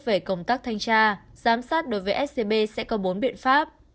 về công tác thanh tra giám sát đối với scb sẽ có bốn biện pháp